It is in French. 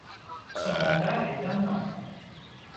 Son mandat est d’un an.